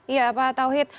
iya pak tauhid